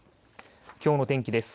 きょうの天気です。